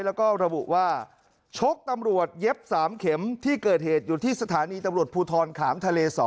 แล้วก็ระบุว่าชกตำรวจเย็บ๓เข็มที่เกิดเหตุอยู่ที่สถานีตำรวจภูทรขามทะเล๒